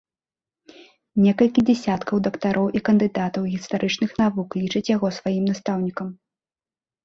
Некалькі дзясяткаў дактароў і кандыдатаў гістарычных навук лічаць яго сваім настаўнікам.